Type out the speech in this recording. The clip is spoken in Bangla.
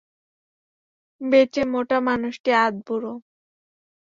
বেঁটে মোটা মানুষটি আধবুড়ো।